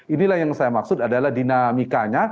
inilah yang saya maksud adalah dinamikanya